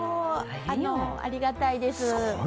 ありがたいです。